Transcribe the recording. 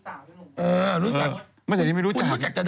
ไม่รู้สึกสาวแล้วมันไม่รู้สึกสาว